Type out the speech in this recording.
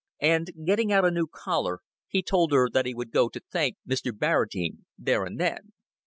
And, getting out a new collar, he told her that he would go to thank Mr. Barradine there and then.